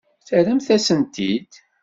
Terramt-asen-tent-id.